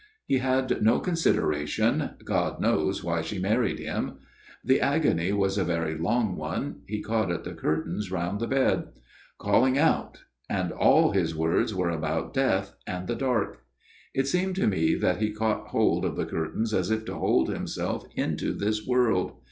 He had no consideration (God knows why she married him !). The agony was a very long one ; he caught at the curtains round the bed ; calling out ; and all his words were about death, and the dark. It seemed to me that he caught hold of the curtains as if to hold himself into this world.